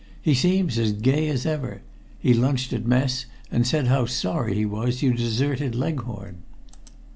He seems as gay as ever. He lunched at mess, and said how sorry he was you'd deserted Leghorn."